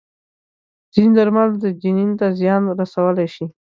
ځینې درمل د جنین ته زیان رسولی شي.